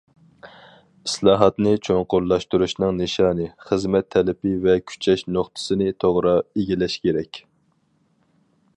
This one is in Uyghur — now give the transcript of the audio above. ئىسلاھاتنى چوڭقۇرلاشتۇرۇشنىڭ نىشانى، خىزمەت تەلىپى ۋە كۈچەش نۇقتىسىنى توغرا ئىگىلەش كېرەك.